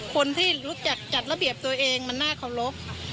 คนที่รู้จักจัดระเบียบตัวเองมันน่าเคารพ